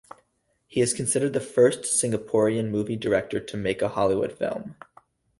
He is considered the first Singaporean movie director to make a Hollywood film.